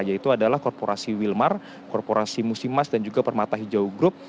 yaitu adalah korporasi wilmar korporasi musimas dan juga permata hijau group